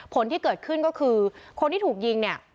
ผลที่เกิดขึ้นก็คือคนที่ถูกยิงเนี่ย